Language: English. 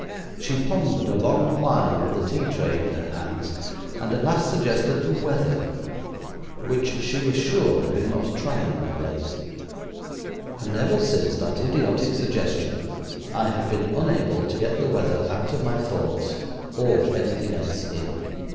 She pondered a long while, with a tea tray in her hands, and at last suggested the weather, which she was sure had been most trying of late. And ever since that idiotic suggestion I have been unable to get the weather out of my thoughts or anything else in.